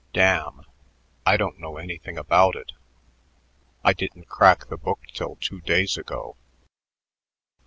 Damn! I don't know anything about it. I didn't crack the book till two days ago."